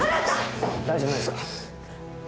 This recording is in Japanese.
大丈夫ですか？